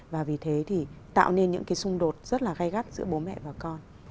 và vì thế thì tạo nên những cái xung đột rất là gai gắt giữa bố mẹ và con